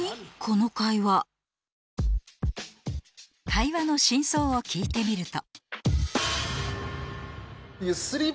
会話の真相を聞いてみると